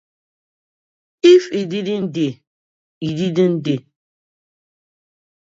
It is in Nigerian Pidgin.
If e didnʼt dey, e didnʼt dey.